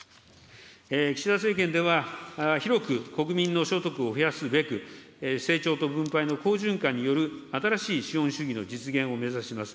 岸田政権では、広く国民の所得を増やすべく、成長と分配の好循環による新しい資本主義の実現を目指します。